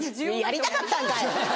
やりたかったんかい！